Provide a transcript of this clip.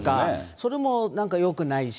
それもなんかよくないし。